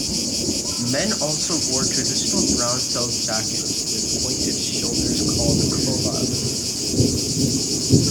Men also wore traditional brown felt jackets with pointed shoulders called Kolabal.